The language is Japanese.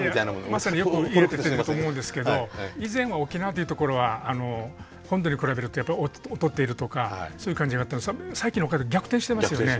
まさによく言い当ててると思うんですけど以前は沖縄というところは本土に比べると劣っているとかそういう感じがあったんですけど最近の沖縄って逆転してますよね。